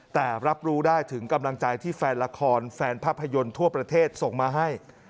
แต่รับรู้ได้ถึงกำลังใจที่แฟนละครแฟนภาพยนตร์ทั่วประเทศส่งมาให้